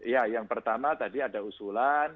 ya yang pertama tadi ada usulan